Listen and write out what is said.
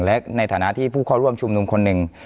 และในฐานะที่ผู้เข้าร่วมชุมนุมคนหนึ่ง